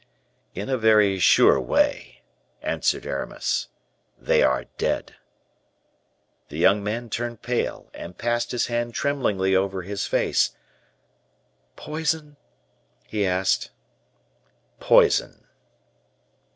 "In a very sure way," answered Aramis "they are dead." The young man turned pale, and passed his hand tremblingly over his face. "Poison?" he asked. "Poison."